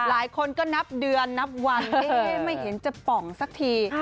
หลายคนก็นับเดือนนับวันไม่เห็นจะป่องสักที